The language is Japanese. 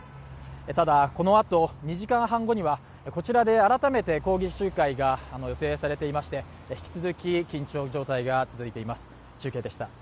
ただ、このあと２時間半後にはこちらで改めて抗議集会が予定されていまして引き続き、緊張状態が続いています。